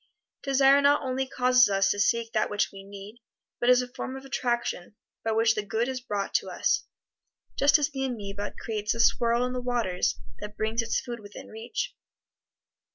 Desire not only causes us to seek that which we need, but is a form of attraction by which the good is brought to us, just as the ameba creates a swirl in the waters that brings its food within reach.